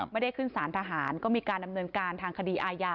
ไม่ได้ขึ้นสารทหารก็มีการดำเนินการทางคดีอาญา